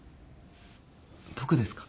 僕ですか？